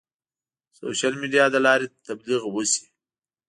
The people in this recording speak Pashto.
سوشیل میډیا له لارې د تبلیغ وشي.